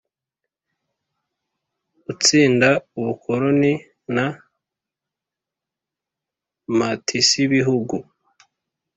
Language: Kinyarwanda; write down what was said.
Utsinda ubukoroni na mpatisbihugu